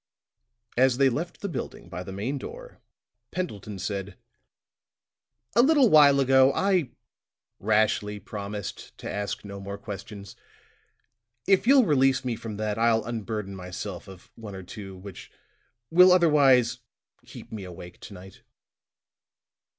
As they left the building by the main door, Pendleton said: "A little while ago, I rashly promised to ask no more questions. If you'll release me from that, I'll unburden myself of one or two which will otherwise keep me awake to night."